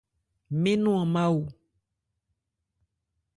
Mɛ́n nɔn an má o.